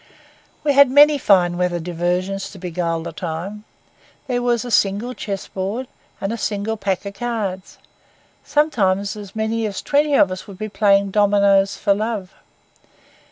We had many fine weather diversions to beguile the time. There was a single chess board and a single pack of cards. Sometimes as many as twenty of us would be playing dominoes for love.